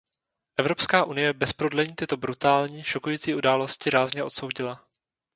Evropská unie bez prodlení tyto brutální, šokující události rázně odsoudila.